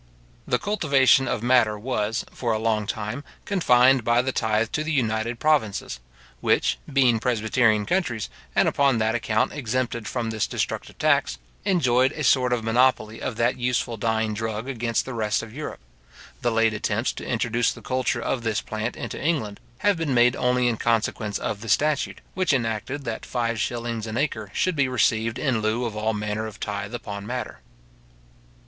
The cultivation of madder was, for a long time, confined by the tythe to the United Provinces, which, being presbyterian countries, and upon that account exempted from this destructive tax, enjoyed a sort of monopoly of that useful dyeing drug against the rest of Europe. The late attempts to introduce the culture of this plant into England, have been made only in consequence of the statute, which enacted that five shillings an acre should be received in lieu of all manner of tythe upon madder.